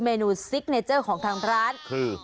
เนนูซิกเนเจอร์ของทางร้านคือ